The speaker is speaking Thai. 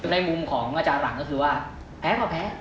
ในมุมของอาจารย์หลังก็คือว่าแพ้ก็แพ้